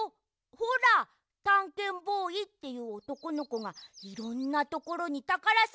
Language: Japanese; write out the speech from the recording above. ほらたんけんボーイっていうおとこのこがいろんなところにたからさがしにいく。